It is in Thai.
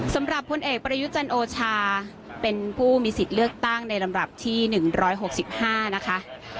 สำหรับคุณเอกปรยุจจันโอชาเป็นผู้มีสิทธิ์เลือกตั้งในลำดับที่หนึ่งร้อยหกสิบห้านะคะ